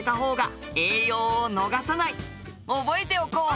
覚えておこう！